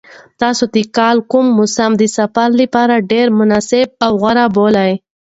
تاسو د کال کوم موسم د سفر لپاره ډېر مناسب او غوره بولئ؟